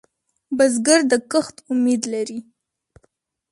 بزګر د کښت امید لري